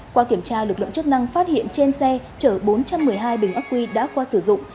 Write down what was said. qua kiểm tra lực lượng chức năng phát hiện trên xe chở bốn trăm một mươi hai bình ác quy đã qua sử dụng